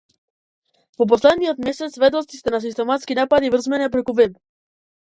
Во последниот месец сведоци сте на систематски напади врз мене преку веб.